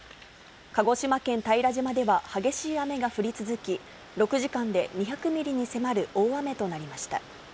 鹿児島県平島では激しい雨が降り続き、６時間で２００ミリに迫る大雨となりました。